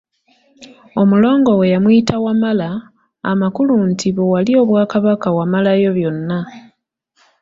Omulongo we yamuyita Wamala, amakulu nti bwe walya obwakabaka wamalayo byonna.